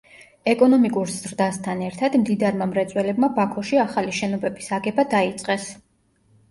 ეკონომიკურ ზრდასთან ერთად მდიდარმა მრეწველებმა ბაქოში ახალი შენობების აგება დაიწყეს.